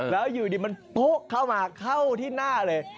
แล้วอยู่ดิมันโบ๊ะข้าวหมาซักที่หน้าเลย